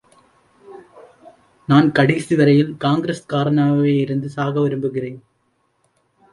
நான் கடைசி வரையில் காங்கிரஸ்காரனாகவே இருந்து சாக விரும்புகிறேன்.